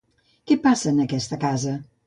Què passa en aquesta casa?